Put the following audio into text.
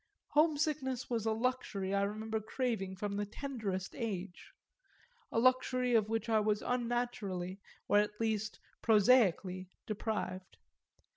Homesickness was a luxury I remember craving from the tenderest age a luxury of which I was unnaturally, or at least prosaically, deprived.